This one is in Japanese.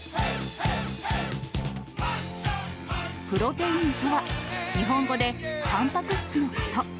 プロテインとは、日本語でたんぱく質のこと。